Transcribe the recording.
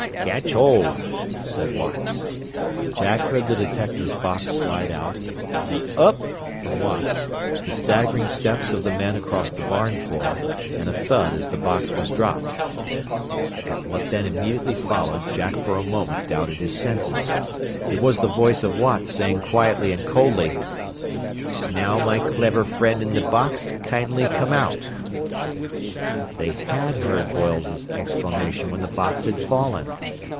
"Catch hold," said Watts. Jack heard the detective's box slide out, an "Up!" from Watts, the staggering steps of the men across the barn floor, and a thud as the box was dropped. At what then immediately followed Jack for a moment doubted his senses. It was the voice of Watts saying quietly and coldly, "Now my clever friend in the box, kindly come out!" They had heard Boyle's exclamation when the box had fallen!